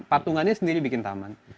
patungannya sendiri bikin taman